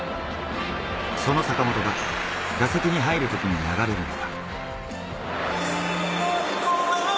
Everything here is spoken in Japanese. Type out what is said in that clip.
その坂本が打席に入る時に流れる曲。